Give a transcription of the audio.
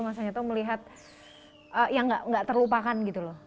maksudnya tuh melihat yang gak terlupakan gitu loh